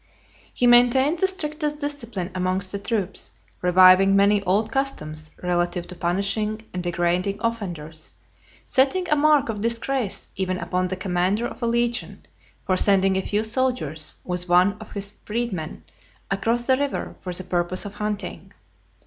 XIX. He maintained the strictest discipline amongst the troops; reviving many old customs relative to punishing and degrading offenders; setting a mark of disgrace even upon the commander of a legion, for sending a few soldiers with one of his freedmen across the river for the purpose of hunting.